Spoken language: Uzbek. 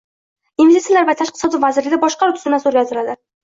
Investitsiyalar va tashqi savdo vazirligida boshqaruv tuzilmasi o‘zgartirildi